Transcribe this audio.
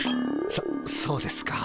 そそうですか。